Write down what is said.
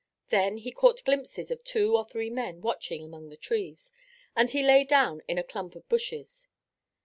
Then he caught glimpses of two or three men watching among the trees, and he lay down in a clump of bushes.